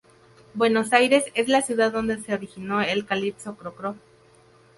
Buenos Ayres es la ciudad donde se originó el calipso Cro Cro.